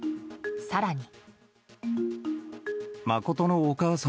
更に。